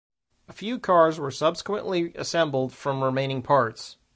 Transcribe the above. A few cars were subsequently assembled from remaining parts.